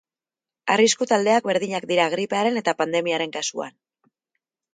Arrisku taldeak berdinak dira gripearen eta pandemiaren kasuan.